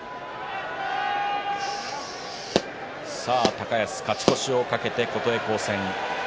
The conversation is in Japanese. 高安、勝ち越しを懸けて琴恵光戦。